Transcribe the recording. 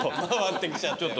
ちょっと。